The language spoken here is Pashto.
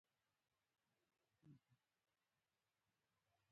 د هند عمومي والي لارډ ایلن برو یو حکم وکړ.